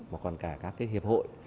mà còn cả các hiệp hội